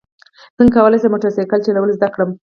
څنګه کولی شم موټر سایکل چلول زده کړم